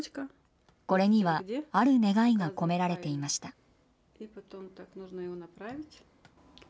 これにはある願いが込められていました。